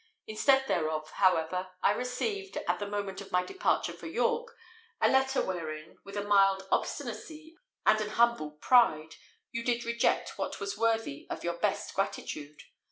Instead thereof, however, I received, at the moment of my departure for York, a letter wherein, with a mild obstinacy and an humble pride, you did reject what was worthy of your best gratitude.